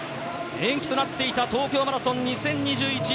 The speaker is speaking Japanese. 延期となっていた東京マラソン２０２１。